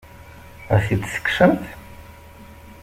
Ad t-id-tekksemt?